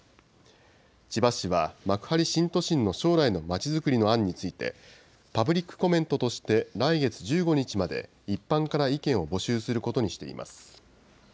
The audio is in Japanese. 千葉市は幕張新都心の将来のまちづくりの案について、パブリックコメントとして来月１５日まで一般から意見を募集することにしています。